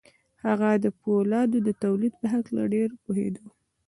هغه د پولادو د تولید په هکله ډېر پوهېده